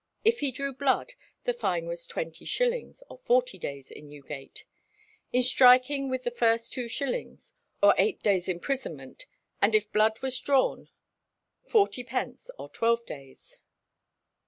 If he drew blood the fine was twenty shillings, or forty days in Newgate; in striking with the fist two shillings, or eight days' imprisonment, and if blood was drawn forty pence, or twelve days.